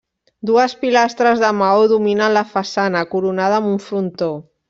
Dues pilastres de maó dominen la façana, coronada amb un frontó.